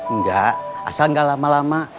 enggak asal gak lama lama